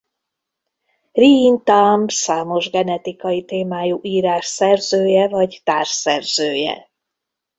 Riin Tamm számos genetikai témájú írás szerzője vagy társszerzője.